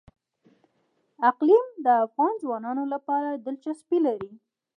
اقلیم د افغان ځوانانو لپاره دلچسپي لري.